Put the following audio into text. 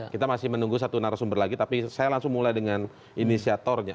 kita masih menunggu satu narasumber lagi tapi saya langsung mulai dengan inisiatornya